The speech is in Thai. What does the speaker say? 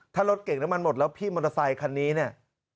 ถ้ารถเก่งน้ำมันหมดแล้วพี่มอเตอร์ไซคันนี้เนี่ย